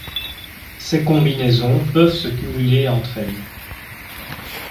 Ces combinaisons peuvent se cumuler entre elles.